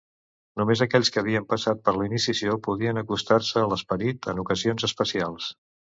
Només aquells que havien passat per la iniciació podien acostar-se a l'esperit en ocasions especials.